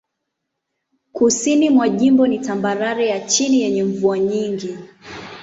Kusini mwa jimbo ni tambarare ya chini yenye mvua nyingi.